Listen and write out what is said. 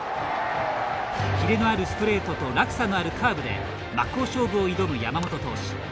キレのあるストレートと落差のあるカーブで真っ向勝負を挑む山本投手。